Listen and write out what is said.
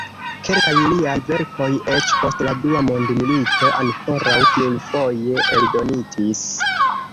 Kelkaj liaj verkoj eĉ post la Dua mondmilito ankoraŭ plurfoje eldonitis.